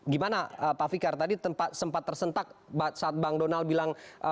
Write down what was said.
gimana pak fikar tadi sempat tersentak saat bang donald bilang